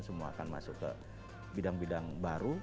semua akan masuk ke bidang bidang baru